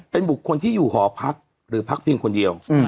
เป็นบุคคลที่อยู่หอพักหรือพักเพียงคนเดียว